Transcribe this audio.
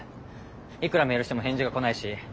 いくらメールしても返事が来ないし。